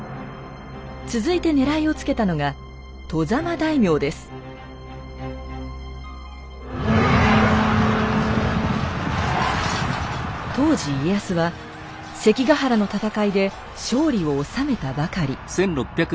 続いてねらいをつけたのが当時家康は関ヶ原の戦いで勝利をおさめたばかり。